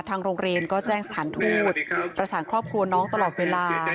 ทางโรงเรียนก็แจ้งสถานทูตประสานครอบครัวน้องตลอดเวลา